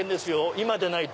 今でないと。